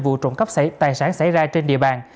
vụ trộm cắp tài sản xảy ra trên địa bàn